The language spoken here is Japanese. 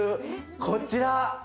こちら。